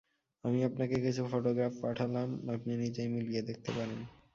আমি আপনাকে কিছু ফটোগ্রাফ পাঠালাম, আপনি নিজেই মিলিয়ে দেখতে পারেন।